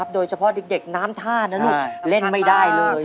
โดยเฉพาะเด็กน้ำท่านะลูกเล่นไม่ได้เลย